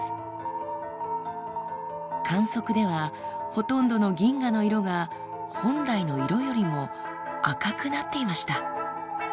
観測ではほとんどの銀河の色が本来の色よりも赤くなっていました。